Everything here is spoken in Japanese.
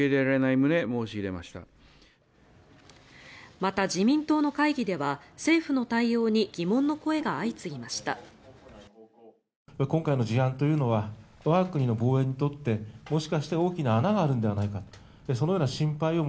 また、自民党の会議では政府の対応に疑問の声が相次ぎました。